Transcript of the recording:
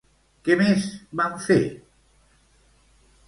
Què més van fer?